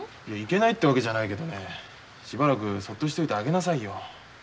いやいけないってわけじゃないけどねしばらくそっとしといてあげなさいよ。